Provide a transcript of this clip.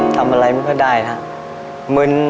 ทำอะไรไม่ค่อยได้ครับ